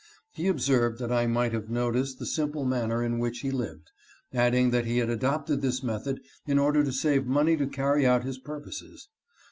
He observed that I might have noticed the simple manner in which he lived, adding that he had adopted this method in order to save money to carry out his purposes.